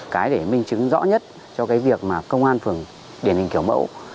cái để minh chứng rõ nhất cho cái việc mà công an phường điển hình kiểu mẫu